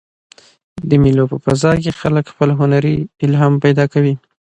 د مېلو په فضا کښي خلک خپل هنري الهام پیدا کوي.